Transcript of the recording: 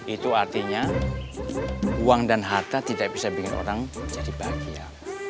itu artinya uang dan harta tidak bisa bikin orang jadi bahagia